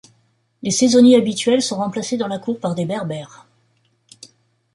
Les saisonniers habituels sont remplacés dans la cour par des Berbères.